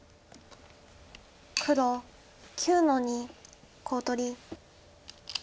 黒９の二コウ取り。